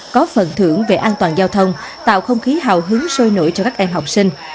có phần thưởng về an toàn giao thông tạo không khí hào hứng sôi nổi cho các em học sinh